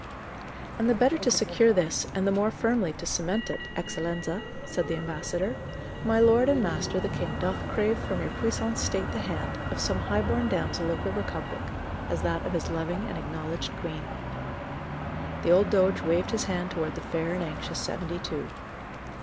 "And the better to secure this and the more firmly to cement it, Eccellenza," said the ambassador, "my lord and master the king doth crave from your puissant state the hand, of some high born damsel of the Republic as that of his loving and acknowledged queen." The old doge waved his hand toward the fair and anxious seventy two.